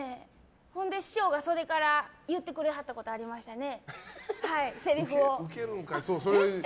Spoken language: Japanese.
ほんで、師匠が袖から言ってくれはったことありましたね。